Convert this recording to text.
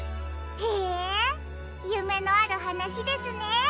へえゆめのあるはなしですね。